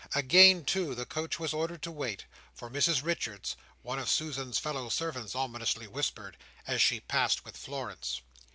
Again, too, the coach was ordered to wait—"for Mrs Richards," one of Susan's fellow servants ominously whispered, as she passed with Florence.